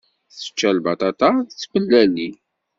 Tečča lbaṭaṭa d tmellalin.